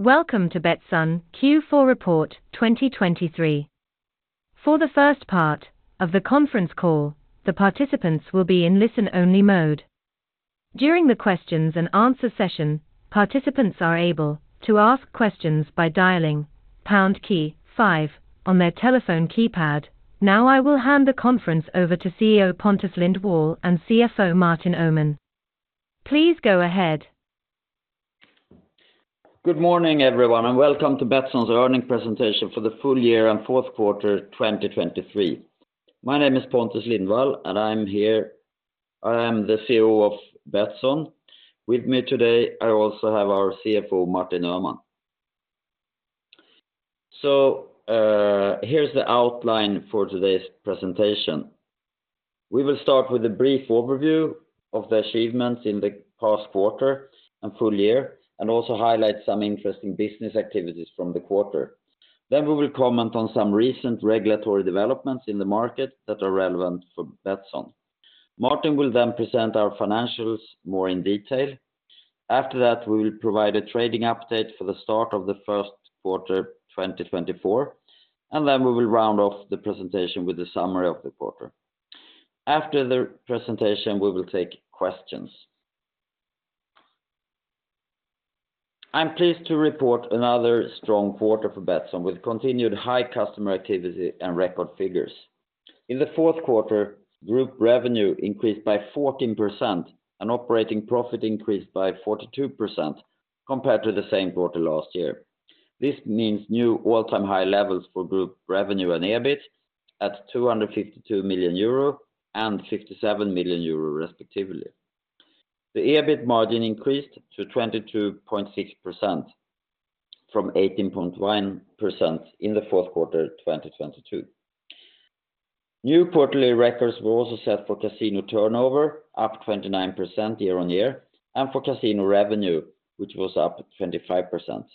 Welcome to Betsson Q4 Report 2023. For the first part of the conference call, the participants will be in listen-only mode. During the questions-and-answers session, participants are able to ask questions by dialing pound key 5 on their telephone keypad. Now I will hand the conference over to CEO Pontus Lindwall and CFO Martin Öhman. Please go ahead. Good morning everyone, and welcome to Betsson's earnings presentation for the full year and fourth quarter 2023. My name is Pontus Lindwall, and I am the CEO of Betsson. With me today, I also have our CFO Martin Öhman. So, here's the outline for today's presentation. We will start with a brief overview of the achievements in the past quarter and full year, and also highlight some interesting business activities from the quarter. Then we will comment on some recent regulatory developments in the market that are relevant for Betsson. Martin will then present our financials more in detail. After that we will provide a trading update for the start of the first quarter 2024, and then we will round off the presentation with a summary of the quarter. After the presentation we will take questions. I'm pleased to report another strong quarter for Betsson with continued high customer activity and record figures. In the fourth quarter, group revenue increased by 14%, and operating profit increased by 42% compared to the same quarter last year. This means new all-time high levels for group revenue and EBIT at 252 million euro and 57 million euro, respectively. The EBIT margin increased to 22.6% from 18.1% in the fourth quarter 2022. New quarterly records were also set for casino turnover, up 29% year-on-year, and for casino revenue, which was up 25%.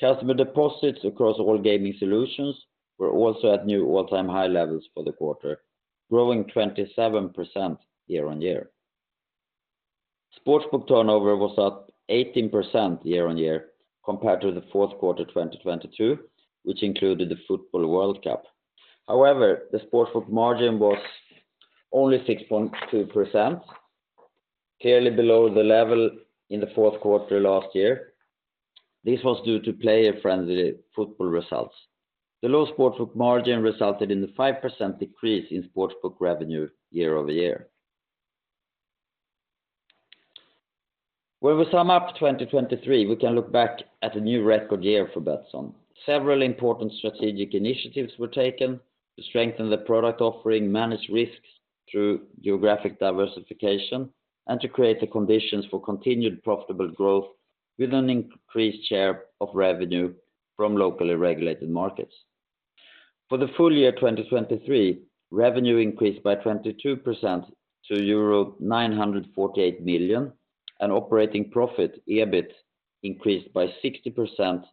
Customer deposits across all gaming solutions were also at new all-time high levels for the quarter, growing 27% year-on-year. Sportsbook turnover was up 18% year-on-year compared to the fourth quarter 2022, which included the Football World Cup. However, the sportsbook margin was only 6.2%, clearly below the level in the fourth quarter last year. This was due to player-friendly football results. The low sportsbook margin resulted in a 5% decrease in sportsbook revenue year-over-year. When we sum up 2023 we can look back at a new record year for Betsson. Several important strategic initiatives were taken to strengthen the product offering, manage risks through geographic diversification, and to create the conditions for continued profitable growth with an increased share of revenue from locally regulated markets. For the full year 2023, revenue increased by 22% to euro 948 million, and operating profit, EBIT, increased by 60%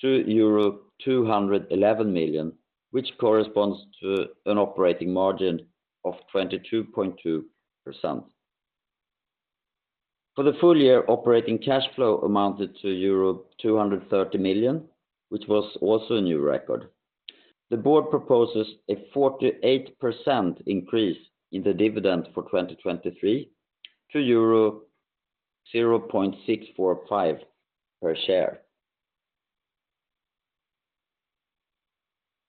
to euro 211 million, which corresponds to an operating margin of 22.2%. For the full year operating cash flow amounted to euro 230 million, which was also a new record. The board proposes a 48% increase in the dividend for 2023 to EUR 0.645 per share.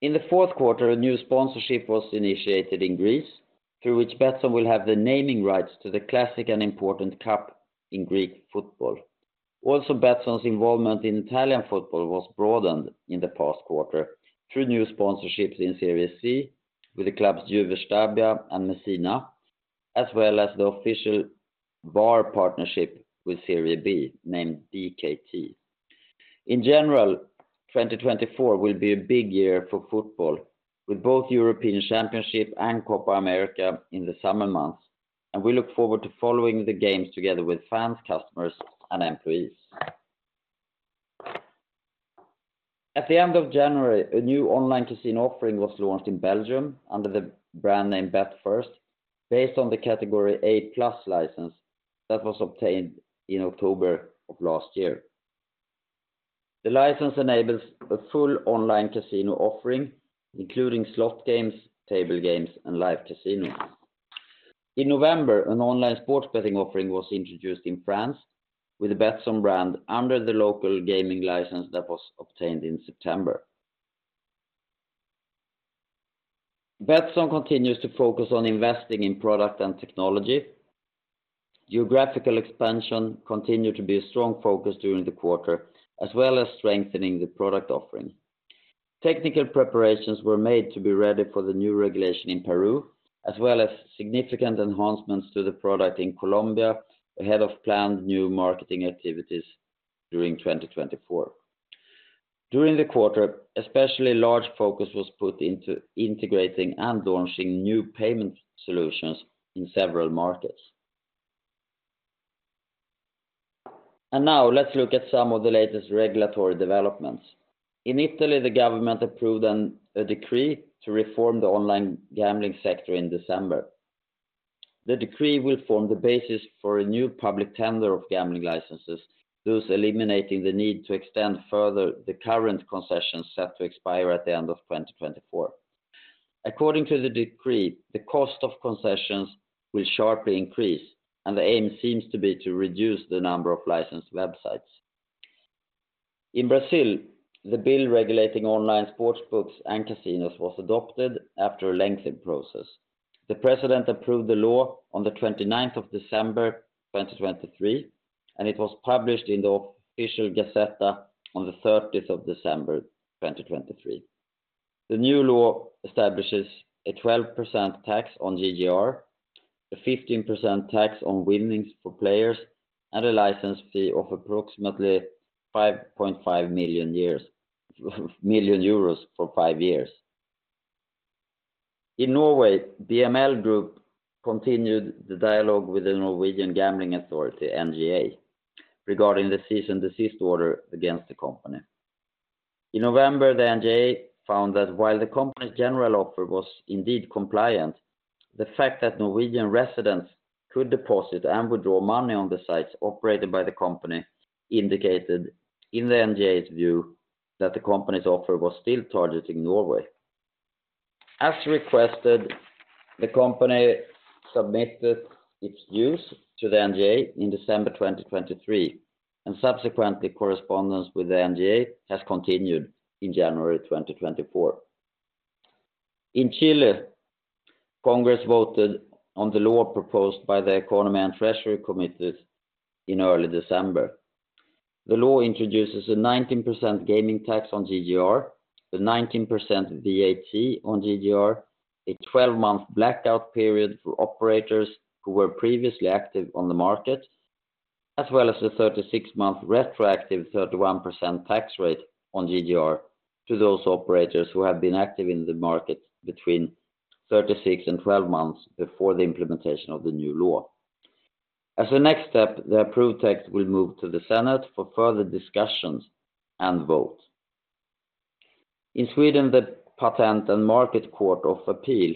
In the fourth quarter a new sponsorship was initiated in Greece, through which Betsson will have the naming rights to the classic and important cup in Greek football. Also Betsson's involvement in Italian football was broadened in the past quarter through new sponsorships in Serie C with the clubs Juventus Stabia and Messina, as well as the official VAR partnership with Serie B, named BKT. In general, 2024 will be a big year for football, with both European Championship and Copa America in the summer months, and we look forward to following the games together with fans, customers, and employees. At the end of January a new online casino offering was launched in Belgium under the brand name betFIRST, based on the category A+ license that was obtained in October of last year. The license enables a full online casino offering, including slot games, table games, and live casinos. In November an online sports betting offering was introduced in France, with the Betsson brand under the local gaming license that was obtained in September. Betsson continues to focus on investing in product and technology. Geographical expansion continued to be a strong focus during the quarter, as well as strengthening the product offering. Technical preparations were made to be ready for the new regulation in Peru, as well as significant enhancements to the product in Colombia ahead of planned new marketing activities during 2024. During the quarter especially large focus was put into integrating and launching new payment solutions in several markets. And now let's look at some of the latest regulatory developments. In Italy the government approved a decree to reform the online gambling sector in December. The decree will form the basis for a new public tender of gambling licenses, thus eliminating the need to extend further the current concessions set to expire at the end of 2024. According to the decree the cost of concessions will sharply increase, and the aim seems to be to reduce the number of licensed websites. In Brazil the bill regulating online sportsbooks and casinos was adopted after a lengthy process. The president approved the law on the 29th of December 2023, and it was published in the Official Gazette on the 30th of December 2023. The new law establishes a 12% tax on GGR, a 15% tax on winnings for players, and a license fee of approximately 5.5 million euros for five years. In Norway BML Group continued the dialogue with the Norwegian Gambling Authority, NGA, regarding the cease and desist order against the company. In November the NGA found that while the company's general offer was indeed compliant, the fact that Norwegian residents could deposit and withdraw money on the sites operated by the company indicated, in the NGA's view, that the company's offer was still targeting Norway. As requested, the company submitted its views to the NGA in December 2023, and subsequently correspondence with the NGA has continued in January 2024. In Chile Congress voted on the law proposed by the Economy and Treasury Committee in early December. The law introduces a 19% gaming tax on GGR, a 19% VAT on GGR, a 12-month blackout period for operators who were previously active on the market, as well as a 36-month retroactive 31% tax rate on GGR to those operators who have been active in the market between 36 and 12 months before the implementation of the new law. As a next step the approved text will move to the Senate for further discussions and vote. In Sweden the Patent and Market Court of Appeal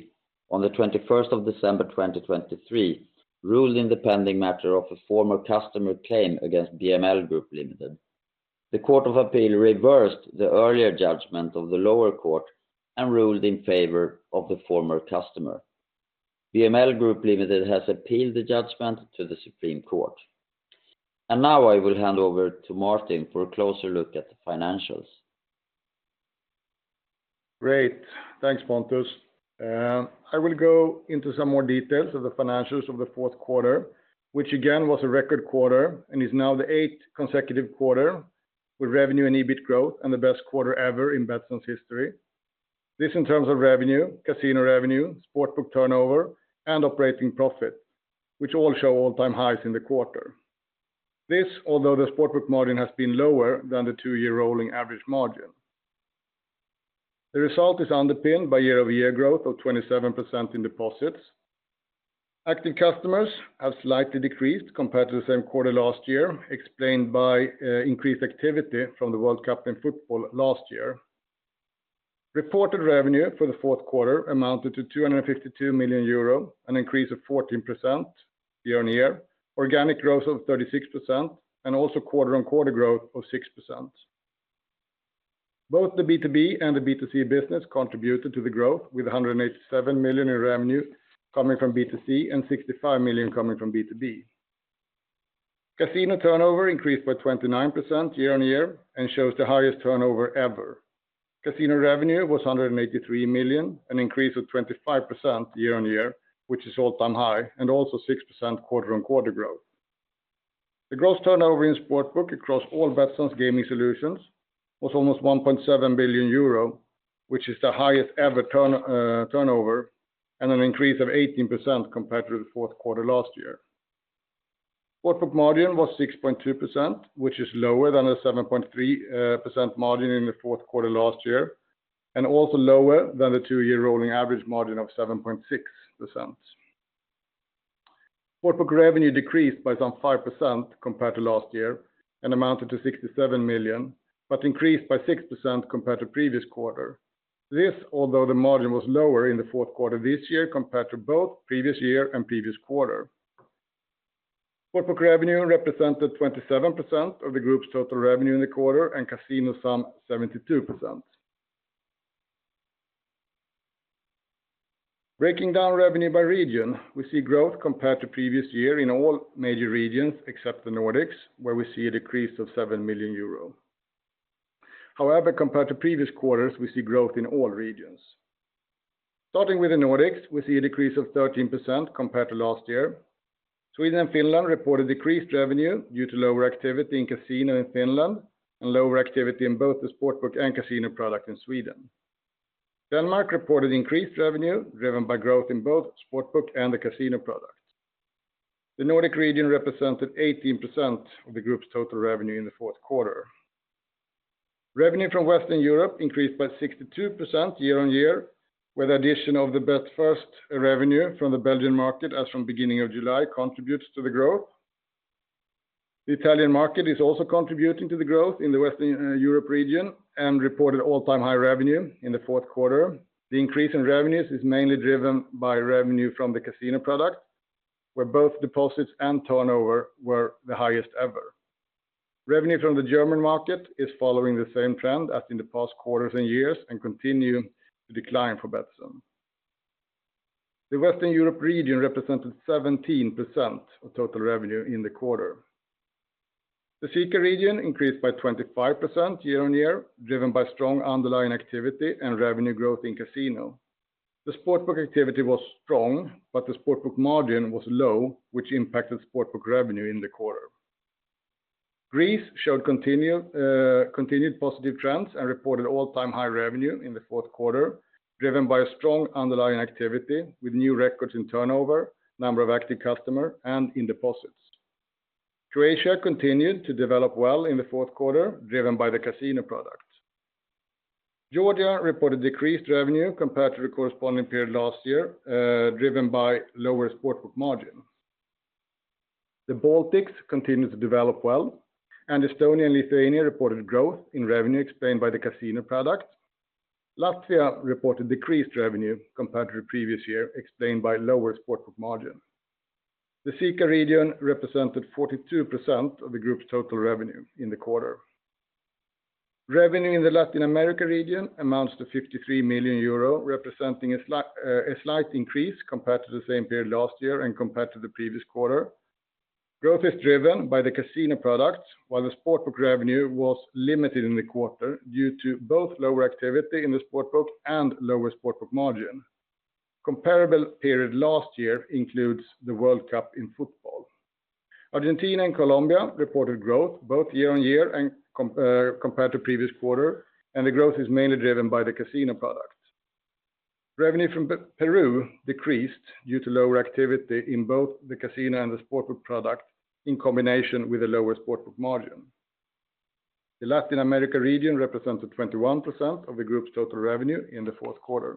on the 21st of December 2023 ruled in the pending matter of a former customer claim against BML Group Limited. The Court of Appeal reversed the earlier judgment of the lower court and ruled in favor of the former customer. BML Group Limited has appealed the judgment to the Supreme Court. Now I will hand over to Martin for a closer look at the financials. Great, thanks Pontus. I will go into some more details of the financials of the fourth quarter, which again was a record quarter and is now the eighth consecutive quarter with revenue and EBIT growth and the best quarter ever in Betsson's history. This, in terms of revenue, casino revenue, sportsbook turnover, and operating profit, which all show all-time highs in the quarter. This, although the sportsbook margin has been lower than the two-year rolling average margin. The result is underpinned by year-over-year growth of 27% in deposits. Active customers have slightly decreased compared to the same quarter last year, explained by increased activity from the World Cup in football last year. Reported revenue for the fourth quarter amounted to 252 million euro, an increase of 14% year-on-year, organic growth of 36%, and also quarter-on-quarter growth of 6%. Both the B2B and the B2C business contributed to the growth with 187 million in revenue coming from B2C and 65 million coming from B2B. Casino turnover increased by 29% year-on-year and shows the highest turnover ever. Casino revenue was 183 million, an increase of 25% year-on-year, which is all-time high, and also 6% quarter-on-quarter growth. The gross turnover in sportsbook across all Betsson's gaming solutions was almost 1.7 billion euro, which is the highest ever turnover, and an increase of 18% compared to the fourth quarter last year. Sportsbook margin was 6.2%, which is lower than the 7.3% margin in the fourth quarter last year, and also lower than the two-year rolling average margin of 7.6%. Sportsbook revenue decreased by some 5% compared to last year and amounted to 67 million, but increased by 6% compared to previous quarter. This, although the margin was lower in the fourth quarter this year compared to both previous year and previous quarter. Sportsbook revenue represented 27% of the group's total revenue in the quarter and casino sum 72%. Breaking down revenue by region we see growth compared to previous year in all major regions except the Nordics, where we see a decrease of 7 million euro. However, compared to previous quarters we see growth in all regions. Starting with the Nordics we see a decrease of 13% compared to last year. Sweden and Finland reported decreased revenue due to lower activity in casino in Finland and lower activity in both the sportsbook and casino product in Sweden. Denmark reported increased revenue driven by growth in both sportsbook and the casino product. The Nordic region represented 18% of the group's total revenue in the fourth quarter. Revenue from Western Europe increased by 62% year-on-year, with the addition of the betFIRST revenue from the Belgian market as from beginning of July contributes to the growth. The Italian market is also contributing to the growth in the Western Europe region and reported all-time high revenue in the fourth quarter. The increase in revenues is mainly driven by revenue from the casino product, where both deposits and turnover were the highest ever. Revenue from the German market is following the same trend as in the past quarters and years and continued to decline for Betsson. The Western Europe region represented 17% of total revenue in the quarter. The CEECA region increased by 25% year-on-year, driven by strong underlying activity and revenue growth in casino. The sportsbook activity was strong, but the sportsbook margin was low, which impacted sportsbook revenue in the quarter. Greece showed continued positive trends and reported all-time high revenue in the fourth quarter, driven by a strong underlying activity with new records in turnover, number of active customers, and in deposits. Croatia continued to develop well in the fourth quarter, driven by the casino product. Georgia reported decreased revenue compared to the corresponding period last year, driven by lower sportsbook margin. The Baltics continued to develop well, and Estonia and Lithuania reported growth in revenue explained by the casino product. Latvia reported decreased revenue compared to the previous year, explained by lower sportsbook margin. The CEECA region represented 42% of the group's total revenue in the quarter. Revenue in the Latin America region amounted to 53 million euro, representing a slight increase compared to the same period last year and compared to the previous quarter. Growth is driven by the casino product, while the sportsbook revenue was limited in the quarter due to both lower activity in the sportsbook and lower sportsbook margin. Comparable period last year includes the World Cup in football. Argentina and Colombia reported growth both year-on-year and, compared to previous quarter, and the growth is mainly driven by the casino product. Revenue from Peru decreased due to lower activity in both the casino and the sportsbook product in combination with a lower sportsbook margin. The Latin America region represented 21% of the group's total revenue in the fourth quarter.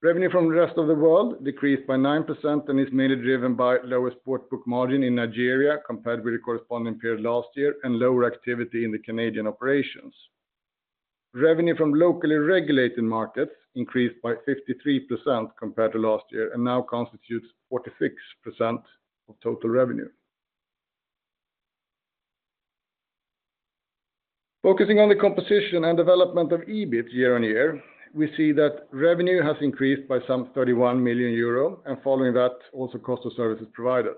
Revenue from the rest of the world decreased by 9% and is mainly driven by lower sportsbook margin in Nigeria compared with the corresponding period last year and lower activity in the Canadian operations. Revenue from locally regulated markets increased by 53% compared to last year and now constitutes 46% of total revenue. Focusing on the composition and development of EBIT year-on-year we see that revenue has increased by some 31 million euro and following that also cost of services provided.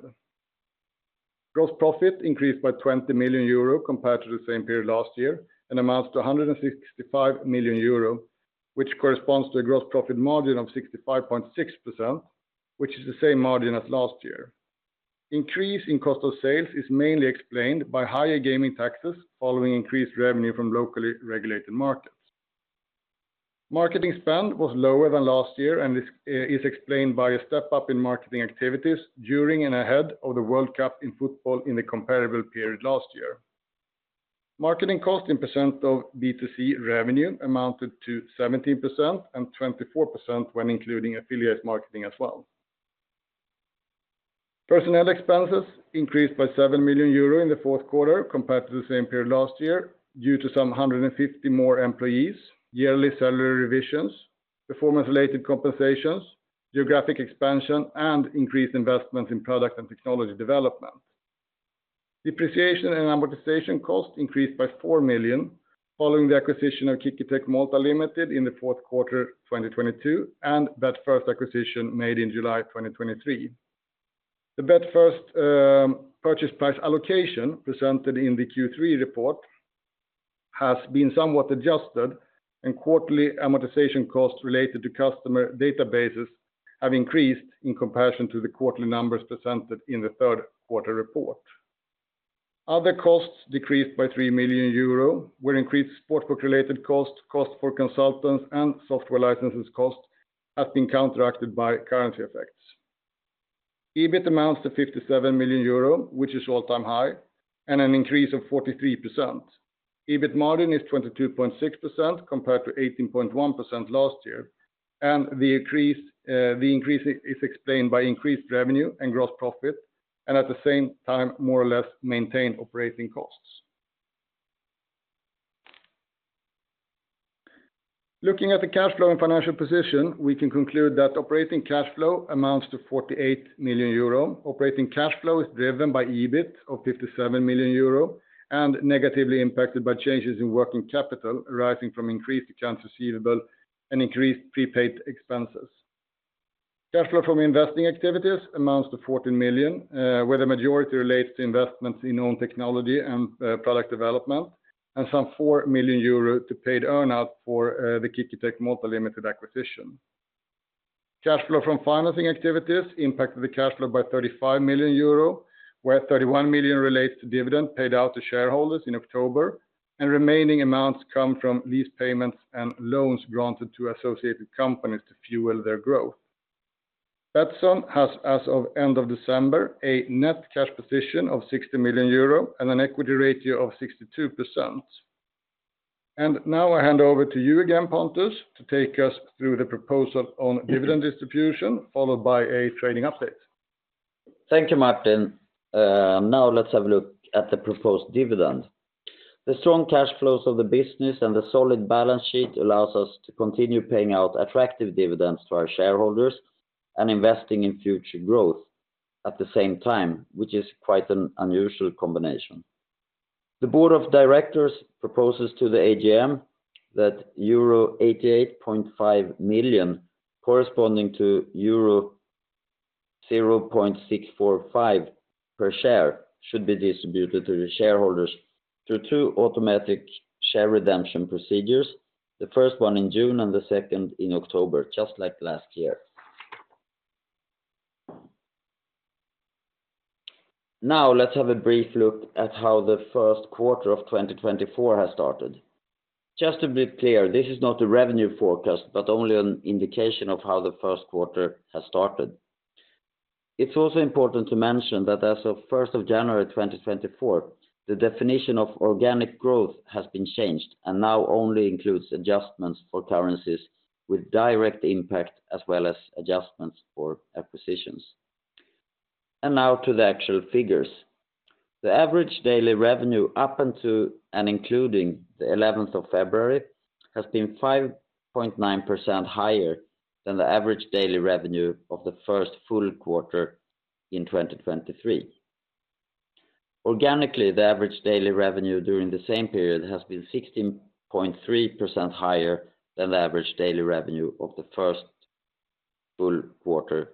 Gross profit increased by 20 million euro compared to the same period last year and amounts to 165 million euro, which corresponds to a gross profit margin of 65.6%, which is the same margin as last year. Increase in cost of sales is mainly explained by higher gaming taxes following increased revenue from locally regulated markets. Marketing spend was lower than last year and is explained by a step-up in marketing activities during and ahead of the World Cup in football in the comparable period last year. Marketing cost in % of B2C revenue amounted to 17% and 24% when including affiliate marketing as well. Personnel expenses increased by 7 million euro in the fourth quarter compared to the same period last year due to some 150 more employees, yearly salary revisions, performance-related compensations, geographic expansion, and increased investments in product and technology development. Depreciation and amortization costs increased by 4 million following the acquisition of KickerTech Malta Limited in the fourth quarter 2022 and betFIRST acquisition made in July 2023. The betFIRST purchase price allocation presented in the Q3 report has been somewhat adjusted, and quarterly amortization costs related to customer databases have increased in comparison to the quarterly numbers presented in the third quarter report. Other costs decreased by 3 million euro, where increased sportsbook-related costs, costs for consultants, and software licenses costs have been counteracted by currency effects. EBIT amounts to 57 million euro, which is all-time high, and an increase of 43%. EBIT margin is 22.6% compared to 18.1% last year, and the increase is explained by increased revenue and gross profit and at the same time more or less maintained operating costs. Looking at the cash flow and financial position we can conclude that operating cash flow amounts to 48 million euro. Operating cash flow is driven by EBIT of 57 million euro and negatively impacted by changes in working capital arising from increased accounts receivable and increased prepaid expenses. Cash flow from investing activities amounts to 14 million, where the majority relates to investments in owned technology and product development, and some 4 million euro to paid earnouts for the KickerTech Malta Limited acquisition. Cash flow from financing activities impacted the cash flow by 35 million euro, where 31 million relates to dividend paid out to shareholders in October, and remaining amounts come from lease payments and loans granted to associated companies to fuel their growth. Betsson has, as of end of December, a net cash position of 60 million euro and an equity ratio of 62%. Now I hand over to you again, Pontus, to take us through the proposal on dividend distribution, followed by a trading update. Thank you, Martin. Now let's have a look at the proposed dividend. The strong cash flows of the business and the solid balance sheet allow us to continue paying out attractive dividends to our shareholders and investing in future growth at the same time, which is quite an unusual combination. The board of directors proposes to the AGM that euro 88.5 million, corresponding to euro 0.645 per share, should be distributed to the shareholders through two automatic share redemption procedures, the first one in June and the second in October, just like last year. Now let's have a brief look at how the first quarter of 2024 has started. Just to be clear, this is not a revenue forecast but only an indication of how the first quarter has started. It's also important to mention that as of 1 January 2024 the definition of organic growth has been changed and now only includes adjustments for currencies with direct impact as well as adjustments for acquisitions. Now to the actual figures. The average daily revenue up until, and including the 11th of February, has been 5.9% higher than the average daily revenue of the first full quarter in 2023. Organically, the average daily revenue during the same period has been 16.3% higher than the average daily revenue of the first full quarter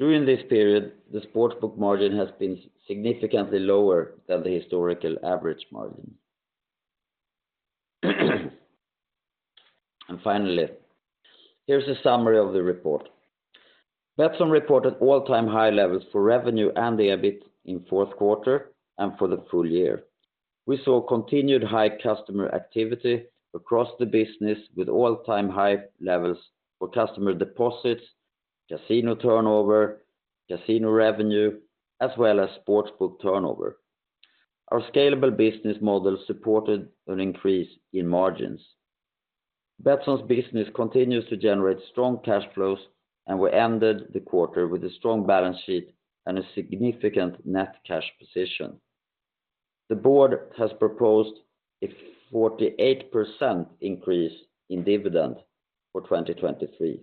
2023. During this period the sportsbook margin has been significantly lower than the historical average margin. Finally, here's a summary of the report. Betsson reported all-time high levels for revenue and EBIT in the fourth quarter and for the full year. We saw continued high customer activity across the business with all-time high levels for customer deposits, casino turnover, casino revenue, as well as sportsbook turnover. Our scalable business model supported an increase in margins. Betsson's business continues to generate strong cash flows and we ended the quarter with a strong balance sheet and a significant net cash position. The board has proposed a 48% increase in dividend for 2023.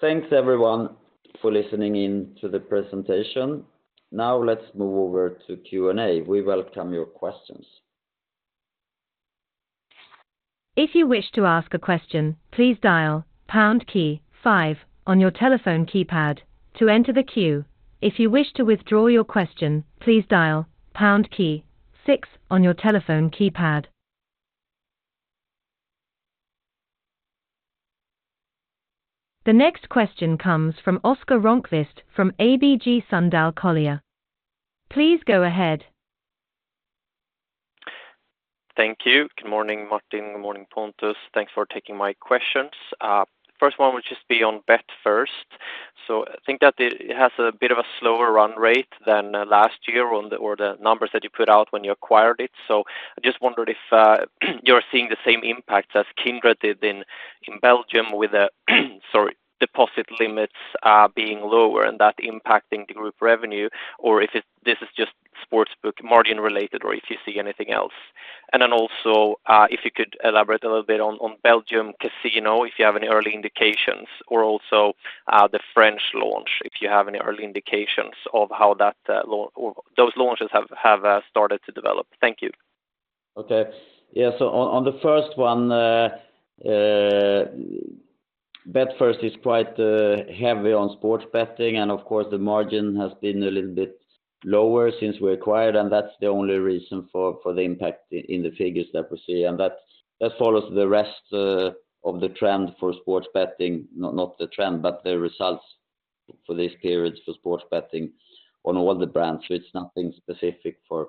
Thanks, everyone, for listening in to the presentation. Now let's move over to Q&A. We welcome your questions. If you wish to ask a question, please dial #5 on your telephone keypad to enter the queue. If you wish to withdraw your question, please dial #6 on your telephone keypad. The next question comes from Oscar Rönnkvist from ABG Sundal Collier. Please go ahead. Thank you. Good morning, Martin. Good morning, Pontus. Thanks for taking my questions. The first one would just be on betFIRST. So I think that it has a bit of a slower run rate than last year or the numbers that you put out when you acquired it. So I just wondered if you're seeing the same impacts as Kindred did in Belgium with the deposit limits being lower and that impacting the group revenue, or if this is just sportsbook margin-related or if you see anything else. And then also, if you could elaborate a little bit on Belgium casino, if you have any early indications, or also the French launch, if you have any early indications of how that launch or those launches have started to develop. Thank you. Okay. Yeah, so on the first one, betFIRST is quite heavy on sports betting, and of course the margin has been a little bit lower since we acquired, and that's the only reason for the impact in the figures that we see. And that follows the rest of the trend for sports betting, no, not the trend, but the results for these periods for sports betting on all the brands. So it's nothing specific for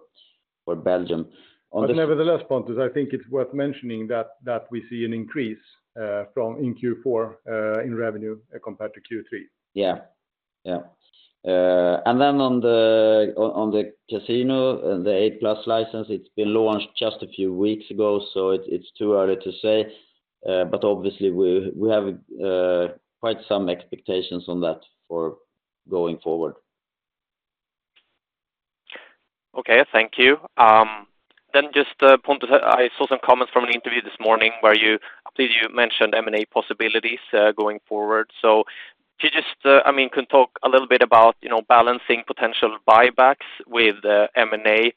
Belgium. On the. Nevertheless, Pontus, I think it's worth mentioning that we see an increase in Q4 in revenue, compared to Q3. Yeah. Yeah. And then on the casino and the A+ license, it's been launched just a few weeks ago, so it's too early to say. But obviously we have quite some expectations on that for going forward. Okay, thank you. Then just, Pontus, I saw some comments from an interview this morning where you I believe you mentioned M&A possibilities, going forward. So could you just, I mean, can talk a little bit about, you know, balancing potential buybacks with, M&A?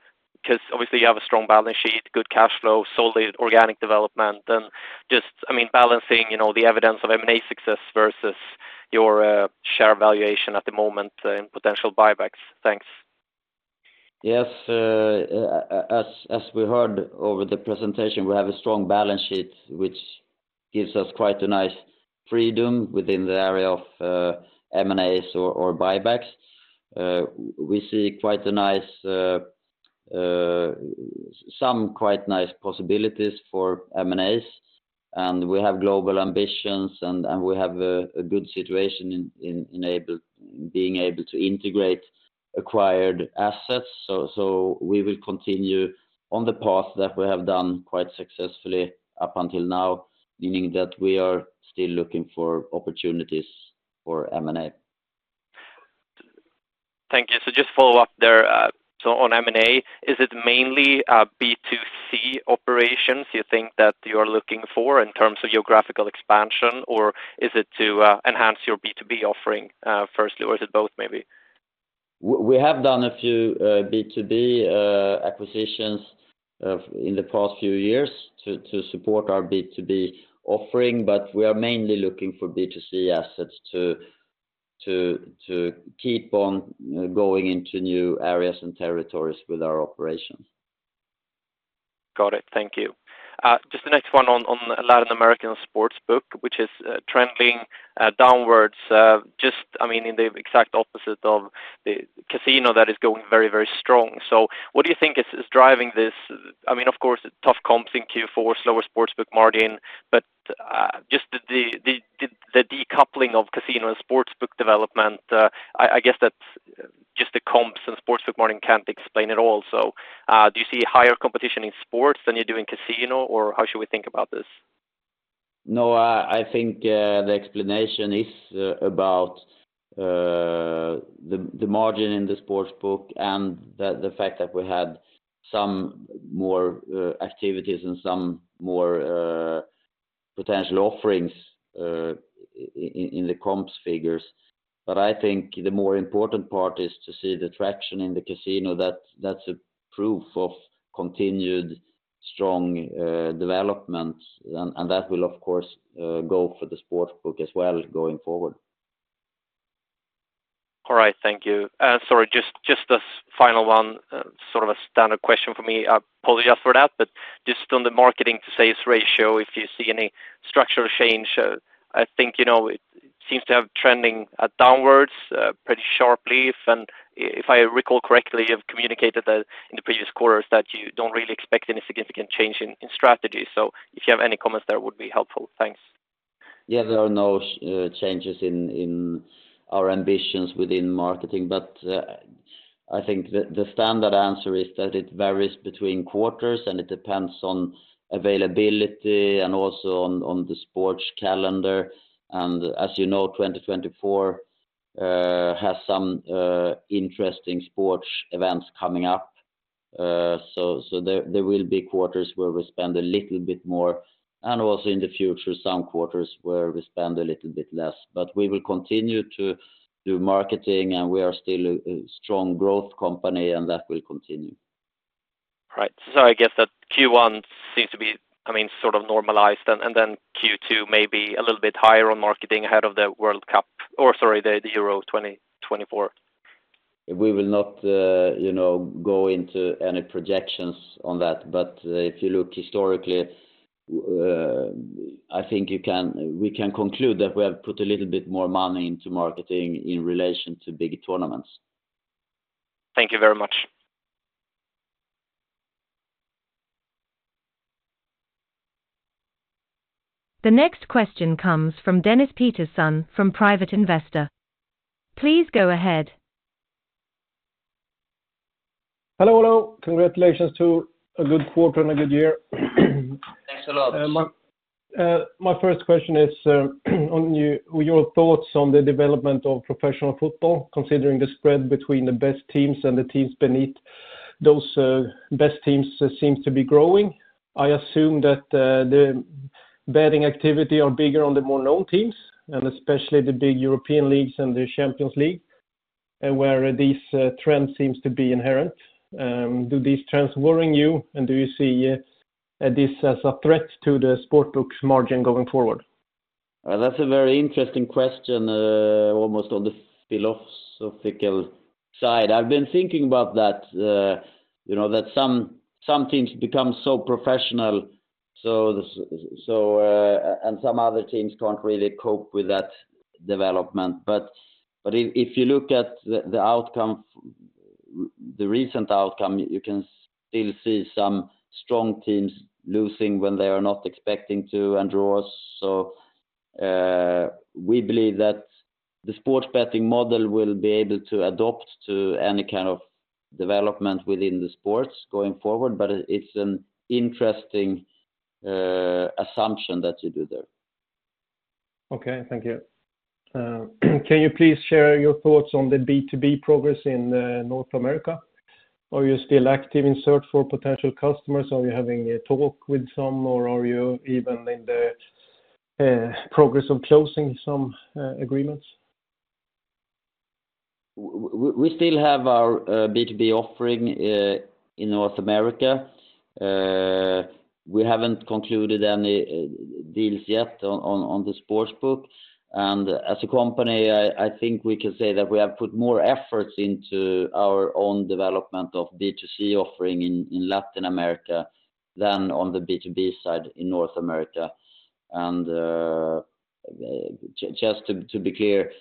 'Cause obviously you have a strong balance sheet, good cash flow, solid organic development, and just, I mean, balancing, you know, the evidence of M&A success versus your, share valuation at the moment, in potential buybacks. Thanks. Yes. As we heard over the presentation, we have a strong balance sheet, which gives us quite a nice freedom within the area of M&As or buybacks. We see quite nice possibilities for M&As, and we have global ambitions and we have a good situation in being able to integrate acquired assets. So we will continue on the path that we have done quite successfully up until now, meaning that we are still looking for opportunities for M&A. Thank you. So just follow up there, so on M&A, is it mainly B2C operations you think that you are looking for in terms of geographical expansion, or is it to enhance your B2B offering, firstly, or is it both maybe? We have done a few B2B acquisitions in the past few years to support our B2B offering, but we are mainly looking for B2C assets to keep on going into new areas and territories with our operation. Got it. Thank you. Just the next one on Latin American sportsbook, which is trending downwards, just, I mean, in the exact opposite of the casino that is going very, very strong. So what do you think is driving this? I mean, of course it's tough comps in Q4, slower sportsbook margin, but just the decoupling of casino and sportsbook development, I guess that just the comps and sportsbook margin can't explain it all. So, do you see higher competition in sports than you do in casino, or how should we think about this? No, I think the explanation is about the margin in the sportsbook and the fact that we had some more activities and some more potential offerings in the comps figures. But I think the more important part is to see the traction in the casino. That's a proof of continued strong development, and that will, of course, go for the sportsbook as well going forward. All right. Thank you. Sorry, just this final one, sort of a standard question for me. I apologize for that, but just on the marketing to sales ratio, if you see any structural change, I think, you know, it seems to have trending downwards, pretty sharply. And if I recall correctly, you've communicated that in the previous quarters that you don't really expect any significant change in strategy. So if you have any comments there, it would be helpful. Thanks. Yeah, there are no changes in our ambitions within marketing, but I think the standard answer is that it varies between quarters and it depends on availability and also on the sports calendar. And as you know, 2024 has some interesting sports events coming up. So there will be quarters where we spend a little bit more and also in the future some quarters where we spend a little bit less. But we will continue to do marketing, and we are still a strong growth company, and that will continue. Right. So I guess that Q1 seems to be, I mean, sort of normalized, and then Q2 maybe a little bit higher on marketing ahead of the World Cup or, sorry, the Euro 2024. We will not, you know, go into any projections on that, but if you look historically, we can conclude that we have put a little bit more money into marketing in relation to big tournaments. Thank you very much. The next question comes from Dennis Petersson from Private Investor. Please go ahead. Hello, hello. Congratulations to a good quarter and a good year. Thanks a lot. My first question is on your thoughts on the development of professional football considering the spread between the best teams and the teams beneath. Those best teams seem to be growing. I assume that the betting activity are bigger on the more known teams, and especially the big European leagues and the Champions League, where these trends seem to be inherent. Do these trends worry you, and do you see this as a threat to the sportsbook margin going forward? That's a very interesting question, almost on the philosophical side. I've been thinking about that, you know, that some teams become so professional, so, and some other teams can't really cope with that development. But if you look at the outcome of the recent outcome, you can still see some strong teams losing when they are not expecting to and draws. So, we believe that the sports betting model will be able to adapt to any kind of development within the sports going forward, but it's an interesting assumption that you do there. Okay. Thank you. Can you please share your thoughts on the B2B progress in North America? Are you still active in search for potential customers, or are you having a talk with some, or are you even in the progress of closing some agreements? We still have our B2B offering in North America. We haven't concluded any deals yet on the sportsbook. And as a company, I think we can say that we have put more efforts into our own development of B2C offering in Latin America than on the B2B side in North America. And just to be clear,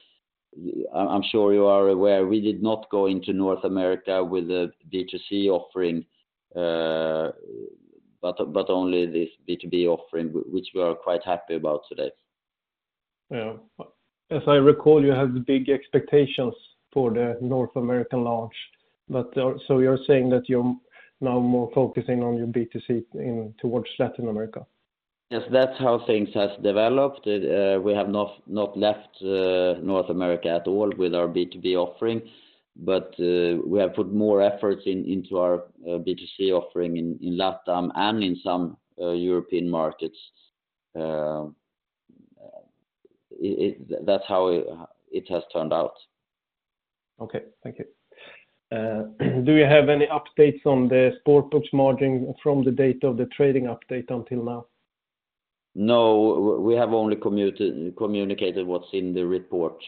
I'm sure you are aware, we did not go into North America with a B2C offering, but only this B2B offering, which we are quite happy about today. Yeah. As I recall, you had big expectations for the North American launch, but, so you're saying that you're now more focusing on your B2C in towards Latin America? Yes, that's how things have developed. We have not left North America at all with our B2B offering, but we have put more efforts into our B2C offering in LATAM and in some European markets. That's how it has turned out. Okay. Thank you. Do you have any updates on the sportsbook's margin from the date of the trading update until now? No, we have only communicated what's in the report.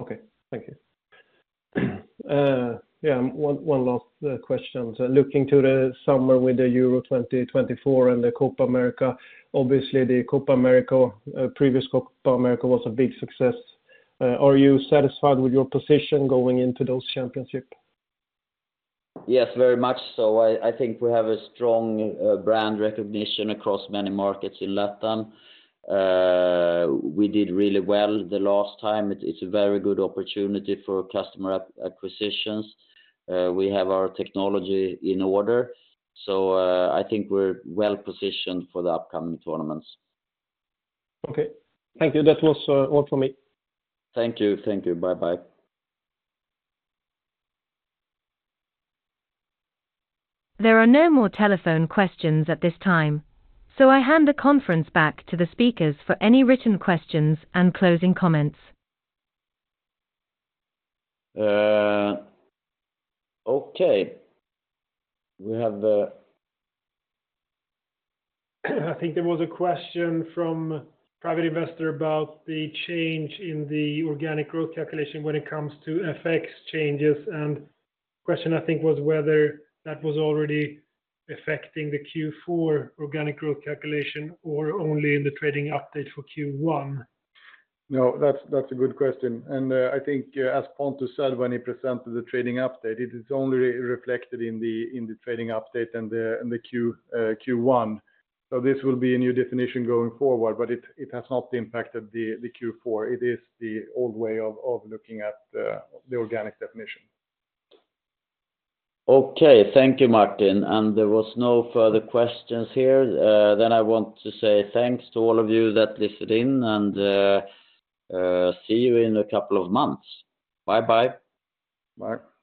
Okay. Thank you. Yeah, one last question. So looking to the summer with the Euro 2024 and the Copa America, obviously the Copa America, previous Copa America was a big success. Are you satisfied with your position going into those championships? Yes, very much. So I think we have a strong brand recognition across many markets in LATAM. We did really well the last time. It's a very good opportunity for customer acquisitions. We have our technology in order, so I think we're well positioned for the upcoming tournaments. Okay. Thank you. That was all from me. Thank you. Thank you. Bye-bye. There are no more telephone questions at this time, so I hand the conference back to the speakers for any written questions and closing comments. Okay. We have, I think there was a question from Private Investor about the change in the organic growth calculation when it comes to FX changes, and the question, I think, was whether that was already affecting the Q4 organic growth calculation or only in the trading update for Q1. No, that's a good question. I think, as Pontus said when he presented the trading update, it is only reflected in the trading update and the Q1. So this will be a new definition going forward, but it has not impacted the Q4. It is the old way of looking at the organic definition. Okay. Thank you, Martin. There was no further questions here. Then I want to say thanks to all of you that listened in, and see you in a couple of months. Bye-bye. Bye.